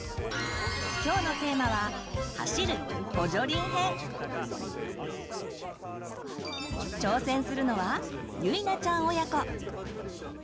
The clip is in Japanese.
今日のテーマは挑戦するのはゆいなちゃん親子。